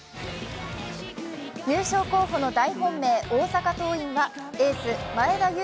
優勝候補の大本命、大阪桐蔭はエース・前田悠